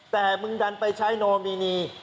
แต่มึงดันไปใช้โนมินี